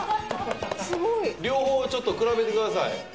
両方ちょっと比べてください。